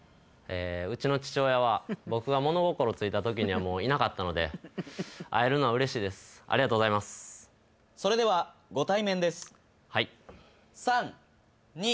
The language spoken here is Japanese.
うちの父親は僕が物心ついた時にはもういなかったので会えるのはうれしいですありがとうございます・それではご対面ですはい・